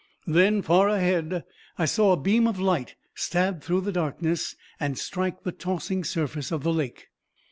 Then, far ahead, I saw a beam of light stab through the darkness and strike the tossing surface of the lake.